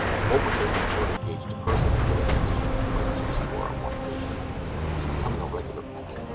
"One would think that you were engaged to Pursen instead of to me," complained Mr. Secor on one occasion. "He is becoming a regular pest.